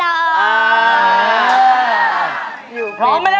หาร้องหน่อย